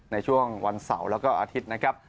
ในช่วงวันเสาร์แล้วก็อาทิตย์นะครับ